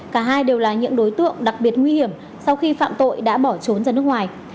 cả hai đều là những đối tượng đặc biệt nguy hiểm sau khi phạm tội đã bỏ trốn ra nước ngoài